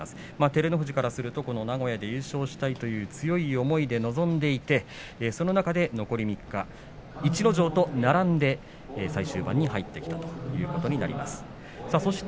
照ノ富士からすると名古屋で優勝したいという、強い思いで臨んでいてその中で残り３日逸ノ城と並んで最終盤に入ってきたということになります。